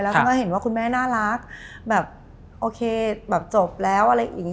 แล้วก็เห็นว่าคุณแม่น่ารักแบบโอเคแบบจบแล้วอะไรอย่างนี้